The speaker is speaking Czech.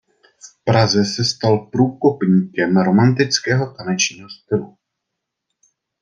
V Praze se stal průkopníkem romantického tanečního stylu.